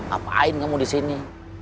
apaan kamu disini